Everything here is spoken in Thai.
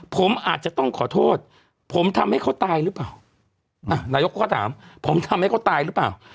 ผมอาจจะต้องขอโทษผมทำให้เขาตายหรือเปล่าอ่ะนายกเขาก็ถามผมทำให้เขาตายหรือเปล่า